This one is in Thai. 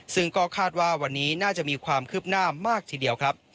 ซึ่งก็คาดว่าวันนี้น่าจะมีความคืบหน้ามากทีเดียวครับ